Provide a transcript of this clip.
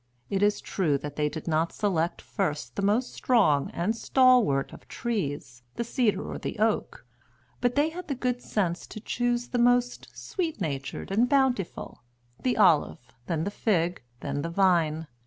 It is true that they did not select first the most strong and stalwart of trees, the cedar or the oak, but they had the good sense to choose the most sweet natured and bountiful, the olive, then the fig, then the vine.